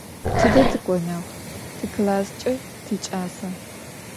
Tıde tık'oneu tiklassç'e tiç'asa?